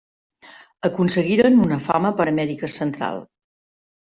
Aconseguiren una fama per Amèrica Central.